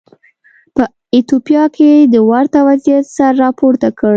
په ایتوپیا کې د ورته وضعیت سر راپورته کړ.